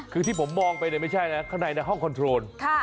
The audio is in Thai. คือที่ผมมองไปไม่ใช่อำนาจห้องโคลน